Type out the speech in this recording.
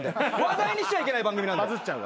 話題にしちゃいけない番組なんで。